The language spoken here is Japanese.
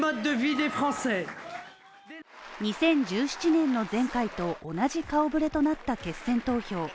２０１７年の前回と同じ顔ぶれとなった決選投票。